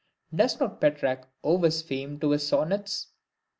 Does not Petrarch owe his fame to his Sonnets?